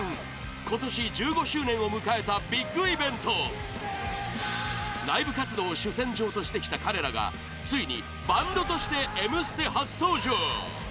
今年１５周年を迎えたビッグイベントライブ活動を主戦場としてきた彼らがついにバンドとして「Ｍ ステ」初登場